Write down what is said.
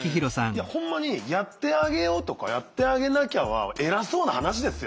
いやほんまにやってあげようとかやってあげなきゃは偉そうな話ですよね。